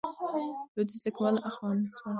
لوېدیځ لیکوال اغېزمن شول.